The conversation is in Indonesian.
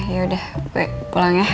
yaudah gue pulang ya